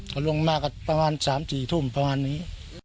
เขาลงมาก็ประมาณ๓๔ทุ่มประมาณนี้